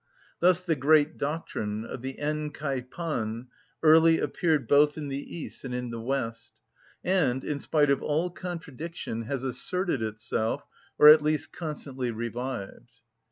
Thus the great doctrine of the ἑν και παν early appeared both in the east and in the west, and, in spite of all contradiction, has asserted itself, or at least constantly revived.